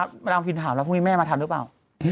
กลางทิศปันแล้วพรุ่งนี้แม่มาทำหรือเปล่า